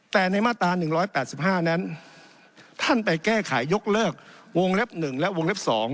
แต่ในมาตรา๑๘๕นั้นท่านไปแก้ไขยกเลิกวงเล็บ๑และวงเล็บ๒